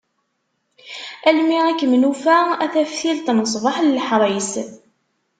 Almi i kem-nufa, a taftilt n ṣṣbeḥ n leḥris.